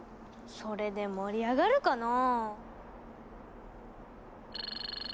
それで盛り上がるかな？